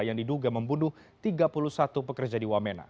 yang diduga membunuh tiga puluh satu pekerja di wamena